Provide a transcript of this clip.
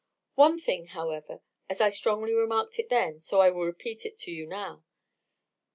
"One thing, however, as I strongly remarked it then, so I will repeat it to you now.